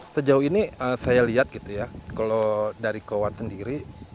sejauh ini saya lihat gitu ya kalau dari kawan sendiri